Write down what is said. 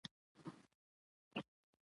تعلیم نجونو ته د میلمه پالنې آداب ور زده کوي.